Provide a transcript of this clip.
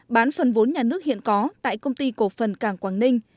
bán phần vốn nhà nước hiện có tại công ty cổ phần cảng quảng ninh